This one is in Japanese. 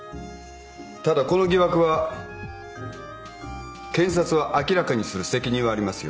ただこの疑惑は検察は明らかにする責任はありますよ。